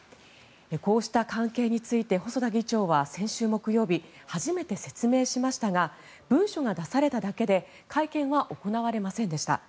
こうした関係について細田議長は先週木曜日初めて説明しましたが文書が出されただけで会見は行われませんでした。